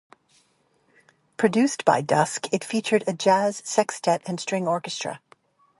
Produced by Dusk, it featured a jazz sextet and string orchestra.